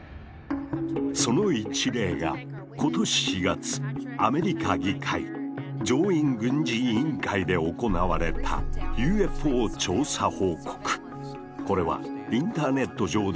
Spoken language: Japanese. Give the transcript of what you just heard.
その一例が今年４月アメリカ議会上院軍事委員会で行われたＵＦＯ調査報告。